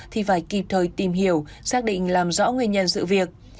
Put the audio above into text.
thì phải kịp thời tìm hiểu xác định làm rõ nguyên nhân sự việc